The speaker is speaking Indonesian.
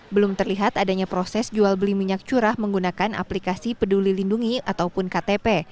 belum terlihat adanya proses jual beli minyak curah menggunakan aplikasi peduli lindungi ataupun ktp